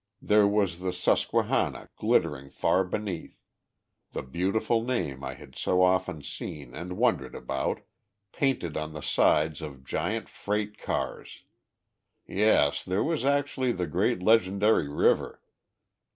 there was the Susquehanna glittering far beneath the beautiful name I had so often seen and wondered about, painted on the sides of giant freight cars! Yes, there was actually the great legendary river.